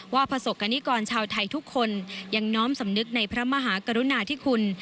ประสบกรณิกรชาวไทยทุกคนยังน้อมสำนึกในพระมหากรุณาธิคุณ